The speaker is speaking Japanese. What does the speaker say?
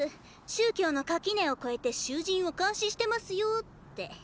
宗教の垣根を越えて囚人を監視してますよって。